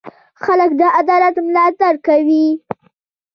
هلک د عدالت ملاتړ کوي.